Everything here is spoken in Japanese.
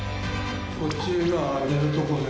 こっちが寝るとこで。